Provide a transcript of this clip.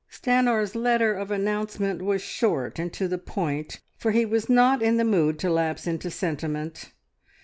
Stanor's letter of announcement was short and to the point, for he was not in the mood to lapse into sentiment.